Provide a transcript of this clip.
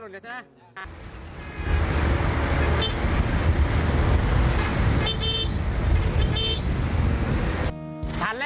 แล้วก็กำลังตามมา